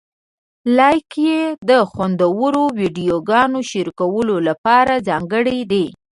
لایکي د خوندورو ویډیوګانو شریکولو لپاره ځانګړی دی.